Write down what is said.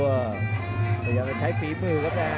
พวกมันยังจะใช้ผีมือกันนะ